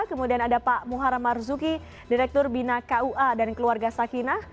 kemudian ada pak muharam marzuki direktur bina kua dan keluarga sakinah